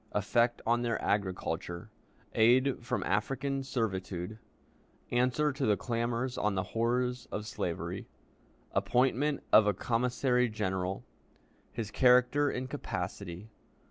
Effect on their Agriculture. Aid from African Servitude. Answer to the Clamors on the Horrors of Slavery. Appointment of a Commissary General. His Character and Capacity.